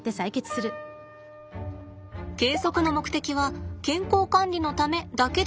計測の目的は健康管理のためだけではありません。